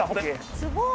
すごい。